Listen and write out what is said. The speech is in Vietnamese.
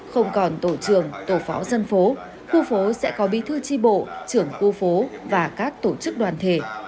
không còn tổ trưởng tổ phó dân phố khu phố sẽ có bí thư tri bộ trưởng khu phố và các tổ chức đoàn thể